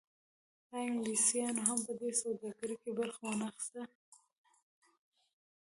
آیا انګلیسانو هم په دې سوداګرۍ کې برخه ونه اخیسته؟